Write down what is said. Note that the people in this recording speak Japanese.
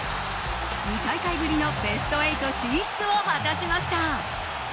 ２大会ぶりのベスト８進出を果たしました。